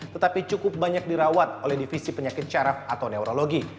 tetapi cukup banyak dirawat oleh divisi penyakit caraf atau neurologi